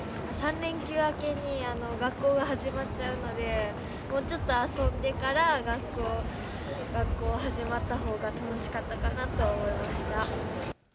３連休明けに学校が始まっちゃうので、もうちょっと遊んでから、学校始まったほうが楽しかったかなと思いました。